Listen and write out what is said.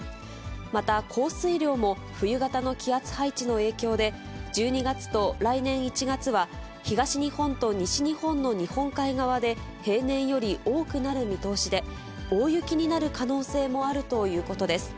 また、降水量も冬型の気圧配置の影響で、１２月と来年１月は、東日本と西日本の日本海側で平年より多くなる見通しで、大雪になる可能性もあるということです。